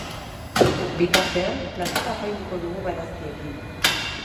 Bitartean, platera apainduko dugu barazkiekin.